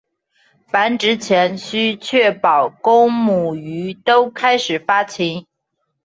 繁殖前须确保公母鱼都开始发情。